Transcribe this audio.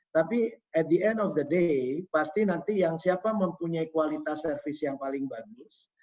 tapi at the end of the day pasti nanti yang siapa mempunyai kualitas service yang paling bagus